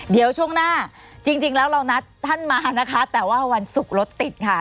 เดี๋ยวช่วงหน้าจริงแล้วเรานัดท่านมานะคะแต่ว่าวันศุกร์รถติดค่ะ